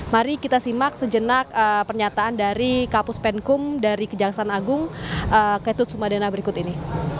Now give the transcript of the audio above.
mari kita simak sejenak pernyataan dari kapus penkum dari kejaksaan agung ketut sumadana berikut ini